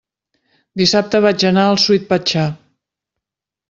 Dissabte vaig anar al Sweet Pachá.